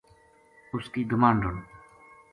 اس کی گماہنڈن “